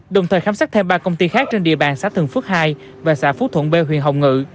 đồng thời khám xét thêm ba công ty khác trên địa bàn xã thường phước hai và xã phú thuận b huyện hồng ngự